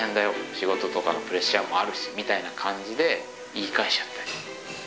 仕事とかのプレッシャーもあるしみたいな感じで言い返しちゃったり。